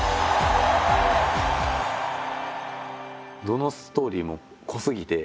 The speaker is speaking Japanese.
どのストーリーも濃すぎて。